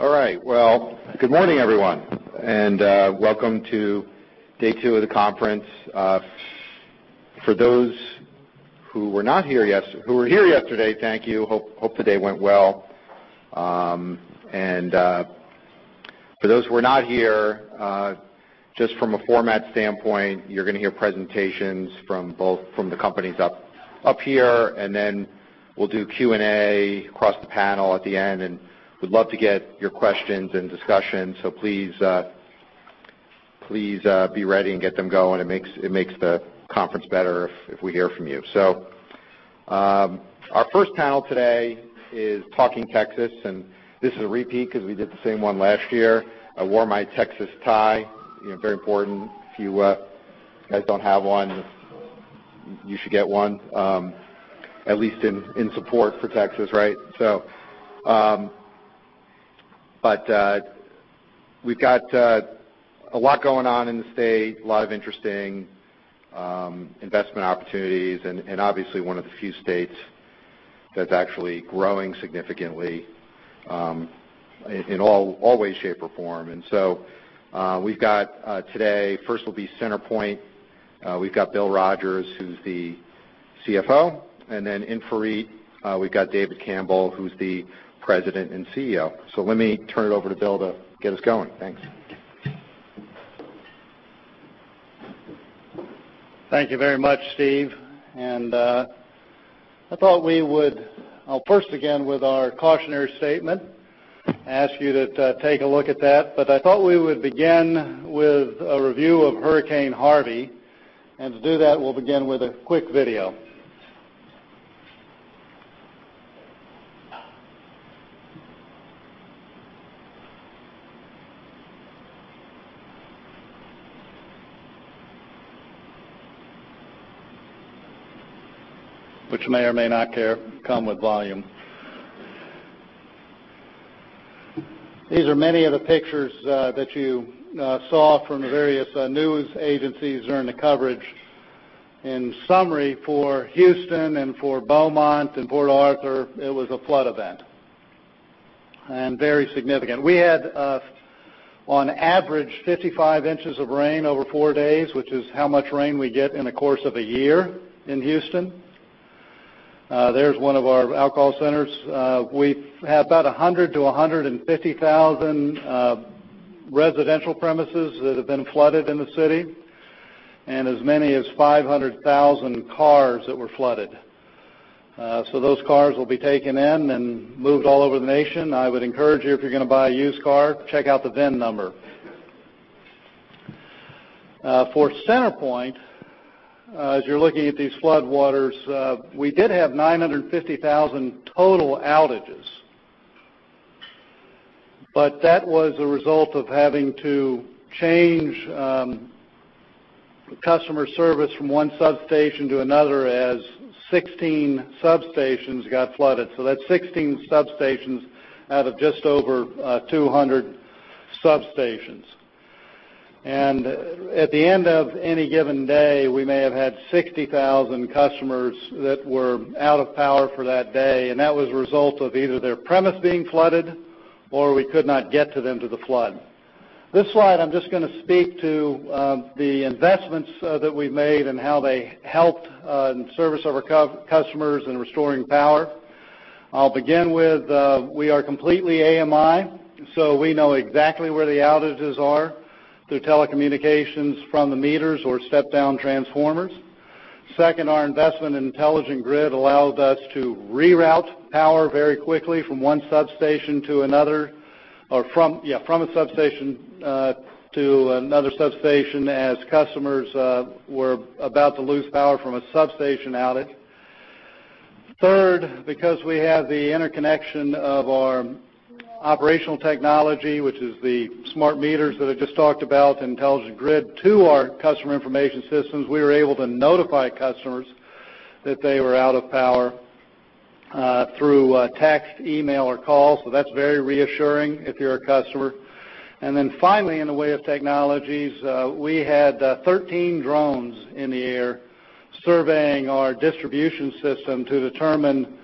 All right. Well, good morning everyone, and welcome to day two of the conference. For those who were here yesterday, thank you. Hope today went well. For those who were not here, just from a format standpoint, you're going to hear presentations from the companies up here, and then we'll do Q&A across the panel at the end. We'd love to get your questions and discussions, so please be ready and get them going. It makes the conference better if we hear from you. Our first panel today is Talking Texas, and this is a repeat because we did the same one last year. I wore my Texas tie, very important. If you guys don't have one, you should get one, at least in support for Texas, right? We've got a lot going on in the state, a lot of interesting investment opportunities, and obviously one of the few states that's actually growing significantly in all way, shape, or form. We've got today, first will be CenterPoint. We've got Bill Rogers, who's the CFO, and then InfraREIT. We've got David Campbell, who's the president and CEO. Let me turn it over to Bill to get us going. Thanks. Thank you very much, Steve. I thought we would first begin with our cautionary statement, ask you to take a look at that. I thought we would begin with a review of Hurricane Harvey. To do that, we'll begin with a quick video. Which may or may not come with volume. These are many of the pictures that you saw from the various news agencies during the coverage. In summary, for Houston and for Beaumont and Port Arthur, it was a flood event, and very significant. We had, on average, 55 inches of rain over four days, which is how much rain we get in the course of a year in Houston. There's one of our call centers. We've had about 100,000 to 150,000 residential premises that have been flooded in the city, and as many as 500,000 cars that were flooded. Those cars will be taken in and moved all over the nation. I would encourage you, if you're going to buy a used car, check out the VIN number. For CenterPoint, as you're looking at these floodwaters, we did have 950,000 total outages. That was a result of having to change customer service from one substation to another as 16 substations got flooded. That's 16 substations out of just over 200 substations. At the end of any given day, we may have had 60,000 customers that were out of power for that day, and that was a result of either their premise being flooded or we could not get to them through the flood. This slide, I'm just going to speak to the investments that we've made and how they helped in service of our customers in restoring power. We are completely AMI, we know exactly where the outages are through telecommunications from the meters or step-down transformers. Second, our investment in intelligent grid allowed us to reroute power very quickly from a substation to another substation as customers were about to lose power from a substation outage. Third, because we have the interconnection of our operational technology, which is the smart meters that I just talked about, intelligent grid, to our customer information systems, we were able to notify customers that they were out of power through text, email, or call. That's very reassuring if you're a customer. Finally, in the way of technologies, we had 13 drones in the air surveying our distribution system to determine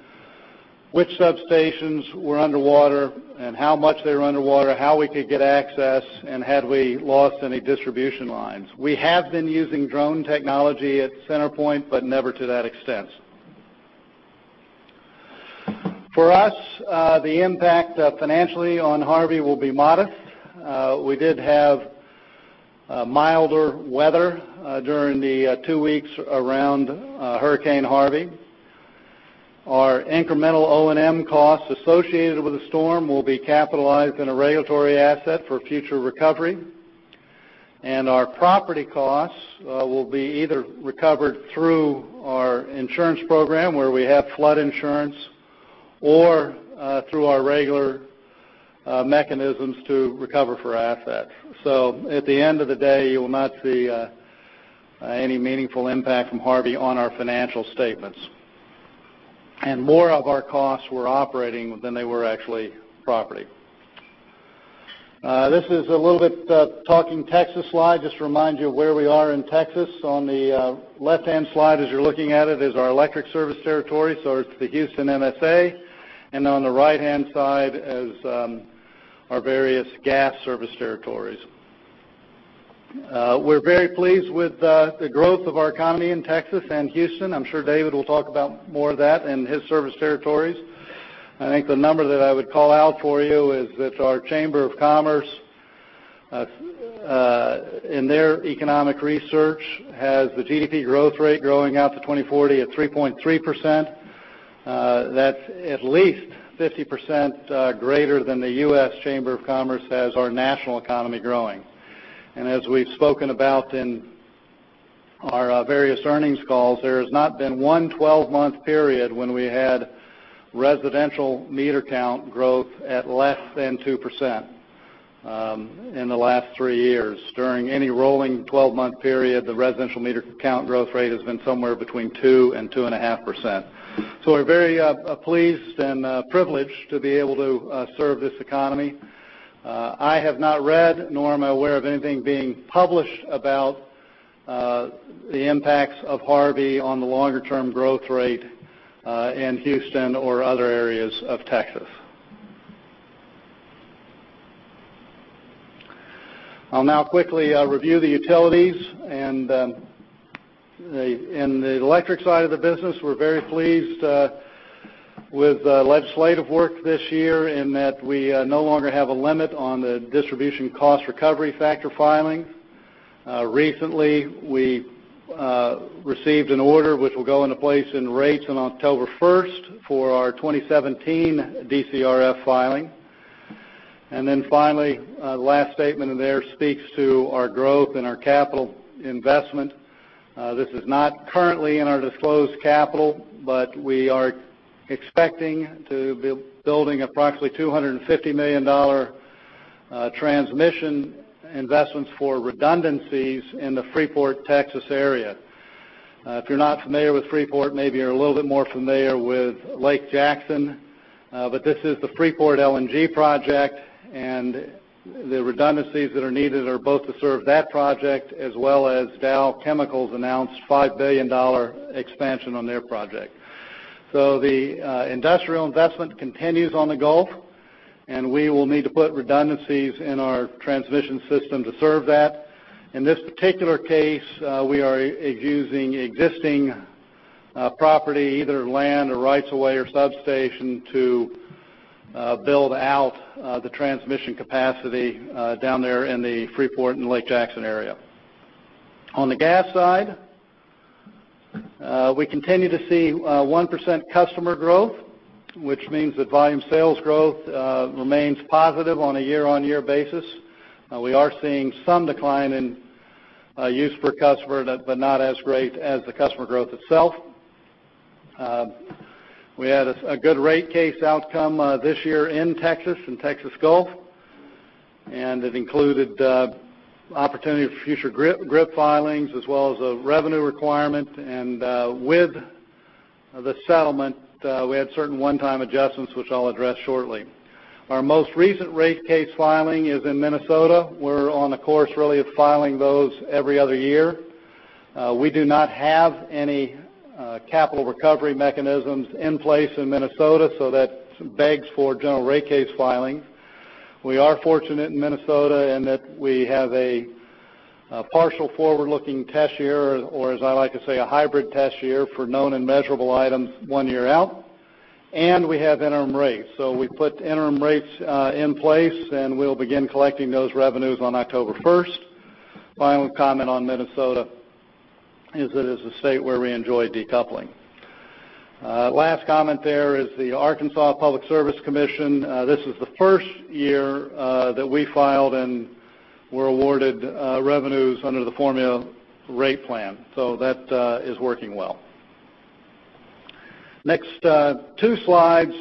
which substations were underwater and how much they were underwater, how we could get access, and had we lost any distribution lines. We have been using drone technology at CenterPoint, never to that extent. For us, the impact financially on Hurricane Harvey will be modest. We did have milder weather during the two weeks around Hurricane Harvey. Our incremental O&M costs associated with the storm will be capitalized in a regulatory asset for future recovery. Our property costs will be either recovered through our insurance program where we have flood insurance or through our regular mechanisms to recover for assets. At the end of the day, you will not see any meaningful impact from Hurricane Harvey on our financial statements. More of our costs were operating than they were actually property. This is a little bit Talking Texas slide, just to remind you of where we are in Texas. On the left-hand slide, as you're looking at it, is our electric service territory, so it's the Houston MSA. On the right-hand side is our various gas service territories. We're very pleased with the growth of our economy in Texas and Houston. I'm sure David will talk about more of that in his service territories. I think the number that I would call out for you is that our chamber of commerce, in their economic research, has the GDP growth rate growing out to 2040 at 3.3%. That's at least 50% greater than the U.S. Chamber of Commerce has our national economy growing. As we've spoken about in our various earnings calls, there has not been one 12-month period when we had residential meter count growth at less than 2% in the last three years. During any rolling 12-month period, the residential meter count growth rate has been somewhere between 2% and 2.5%. We're very pleased and privileged to be able to serve this economy. I have not read nor am I aware of anything being published about the impacts of Hurricane Harvey on the longer-term growth rate in Houston or other areas of Texas. I'll now quickly review the utilities. In the electric side of the business, we're very pleased with the legislative work this year in that we no longer have a limit on the Distribution Cost Recovery Factor filing. Recently, we received an order which will go into place in rates on October 1st for our 2017 DCRF filing. Finally, last statement in there speaks to our growth and our capital investment. This is not currently in our disclosed capital, but we are expecting to be building approximately $250 million transmission investments for redundancies in the Freeport, Texas area. If you're not familiar with Freeport, maybe you're a little bit more familiar with Lake Jackson. This is the Freeport LNG project, and the redundancies that are needed are both to serve that project as well as Dow Chemical's announced $5 billion expansion on their project. The industrial investment continues on the Gulf, and we will need to put redundancies in our transmission system to serve that. In this particular case, we are using existing property, either land or rights of way or substation, to build out the transmission capacity down there in the Freeport and Lake Jackson area. On the gas side, we continue to see 1% customer growth, which means that volume sales growth remains positive on a year-on-year basis. We are seeing some decline in use per customer, but not as great as the customer growth itself. We had a good rate case outcome this year in Texas and Texas Gulf, and it included opportunity for future GRIP filings as well as a revenue requirement. With the settlement, we had certain one-time adjustments, which I'll address shortly. Our most recent rate case filing is in Minnesota. We're on a course really of filing those every other year. We do not have any capital recovery mechanisms in place in Minnesota, that begs for general rate case filing. We are fortunate in Minnesota in that we have a partial forward-looking test year or, as I like to say, a hybrid test year for known and measurable items one year out. We have interim rates. We put interim rates in place, and we'll begin collecting those revenues on October 1st. Final comment on Minnesota is that it's a state where we enjoy decoupling. Last comment there is the Arkansas Public Service Commission. This is the first year that we filed and were awarded revenues under the formula rate plan. That is working well. Next two slides,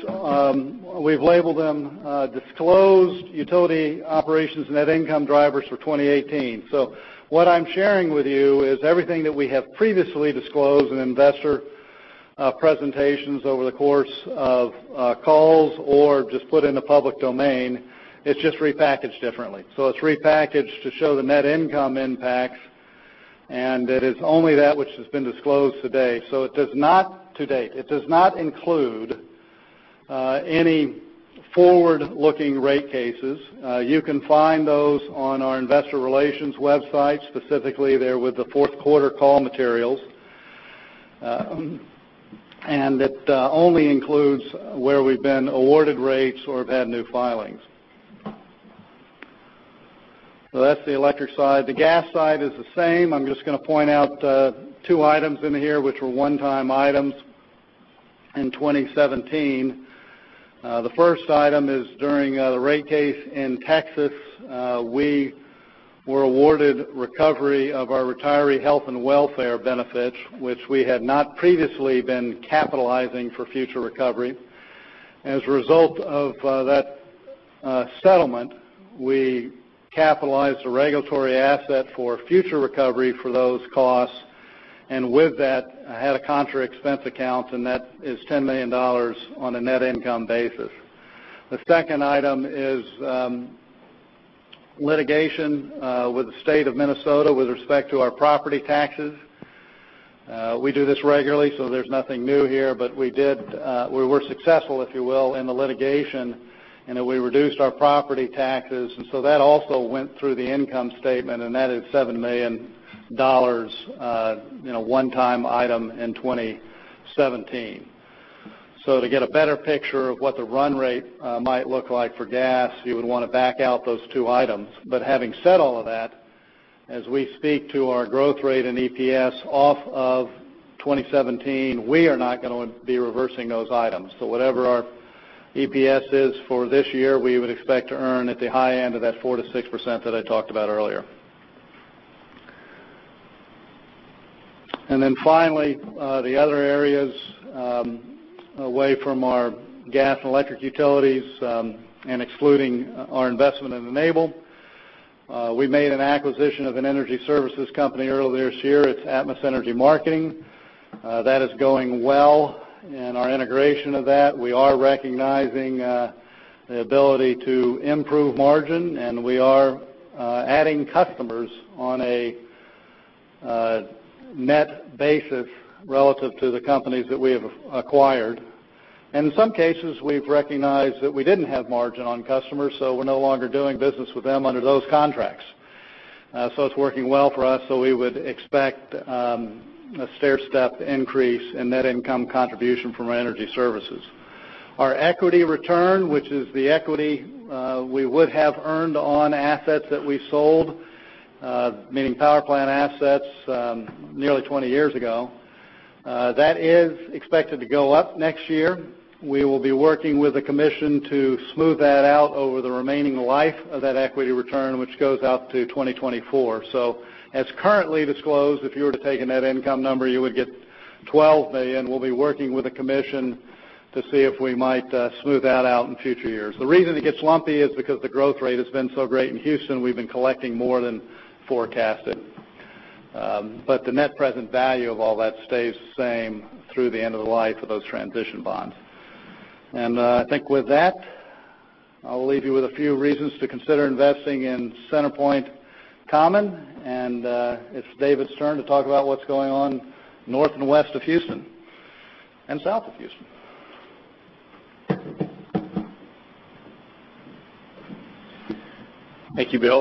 we've labeled them Disclosed Utility Operations Net Income Drivers for 2018. What I'm sharing with you is everything that we have previously disclosed in investor presentations over the course of calls or just put in the public domain. It's just repackaged differently. It's repackaged to show the net income impacts, and it is only that which has been disclosed to date. It does not include any forward-looking rate cases. You can find those on our investor relations website. Specifically, they're with the fourth quarter call materials. It only includes where we've been awarded rates or have had new filings. That's the electric side. The gas side is the same. I'm just going to point out two items in here which were one-time items in 2017. The first item is during the rate case in Texas, we were awarded recovery of our retiree health and welfare benefits, which we had not previously been capitalizing for future recovery. As a result of that settlement, we capitalized a regulatory asset for future recovery for those costs. With that, had a contra expense account, and that is $10 million on a net income basis. The second item is litigation with the state of Minnesota with respect to our property taxes. We do this regularly, so there's nothing new here, but we were successful, if you will, in the litigation in that we reduced our property taxes. That also went through the income statement, and that is $7 million, one-time item in 2017. To get a better picture of what the run rate might look like for gas, you would want to back out those two items. Having said all of that, as we speak to our growth rate in EPS off of 2017, we are not going to be reversing those items. Whatever our EPS is for this year, we would expect to earn at the high end of that 4%-6% that I talked about earlier. Finally, the other areas away from our gas and electric utilities, and excluding our investment in Enable. We made an acquisition of an energy services company earlier this year. It's Atmos Energy Marketing. That is going well. In our integration of that, we are recognizing the ability to improve margin, and we are adding customers on a net basis relative to the companies that we have acquired. In some cases, we've recognized that we didn't have margin on customers, so we're no longer doing business with them under those contracts. It's working well for us. We would expect a stairstep increase in net income contribution from our energy services. Our equity return, which is the equity we would have earned on assets that we sold, meaning power plant assets nearly 20 years ago, that is expected to go up next year. We will be working with the commission to smooth that out over the remaining life of that equity return, which goes out to 2024. As currently disclosed, if you were to take a net income number, you would get $12 million. We will be working with the commission to see if we might smooth that out in future years. The reason it gets lumpy is because the growth rate has been so great in Houston, we've been collecting more than forecasted. The net present value of all that stays the same through the end of the life of those transition bonds. I think with that, I'll leave you with a few reasons to consider investing in CenterPoint Common. It's David's turn to talk about what's going on north and west of Houston and south of Houston. Thank you, Bill.